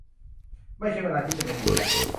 ไม่ใช่เวลาที่จะมาจีบกัน